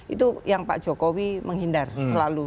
itu yang pak jokowi menghindar selalu